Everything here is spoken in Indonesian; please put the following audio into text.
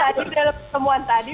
mungkin dari pertemuan tadi